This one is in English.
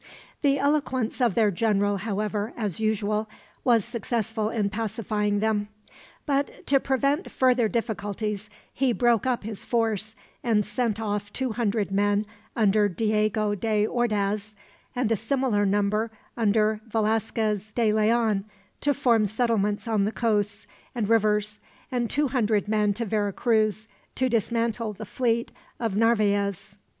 The eloquence of their general, however, as usual, was successful in pacifying them; but to prevent further difficulties, he broke up his force, and sent off two hundred men under Diego de Ordaz, and a similar number under Velasquez de Leon, to form settlements on the coasts and rivers; and two hundred men to Vera Cruz, to dismantle the fleet of Narvaez.